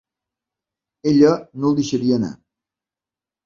Ella no el deixaria anar.